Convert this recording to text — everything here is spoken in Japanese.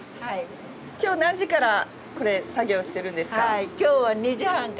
今日何時からこれ作業してるんですか？